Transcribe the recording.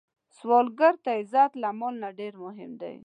سوالګر ته عزت له مال نه ډېر مهم دی